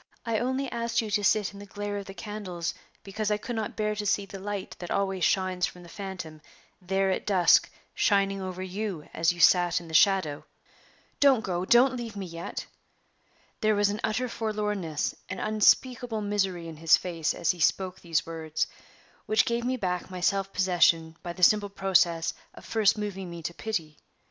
I only asked you to sit in the glare of the candles because I could not bear to see the light that always shines from the phantom there at dusk shining over you as you sat in the shadow. Don't go don't leave me yet!" There was an utter forlornness, an unspeakable misery in his face as he spoke these words, which gave me back my self possession by the simple process of first moving me to pity.